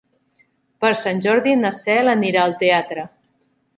Per Sant Jordi na Cel anirà al teatre.